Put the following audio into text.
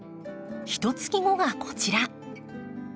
ひと月後がこちら。